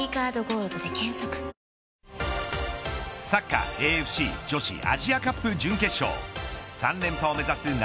サッカーＡＦＣ女子アジアカップ準決勝３連覇を目指す